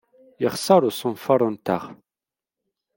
Yexṣer usenfar-nteɣ.